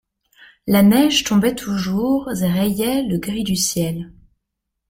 La neige tombait toujours et rayait le gris du ciel.